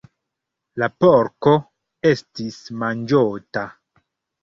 La porko estis manĝota.